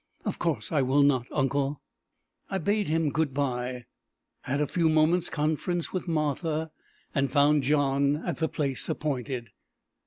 "Of course I will not, uncle." I bade him good bye, had a few moments' conference with Martha, and found John at the place appointed.